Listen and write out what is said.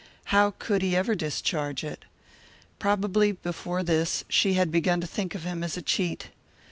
How could he ever discharge it? Probably before this she had begun to think of him as a cheat.